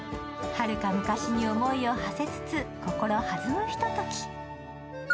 はるか昔に思いをはせつつ、心はずむひととき。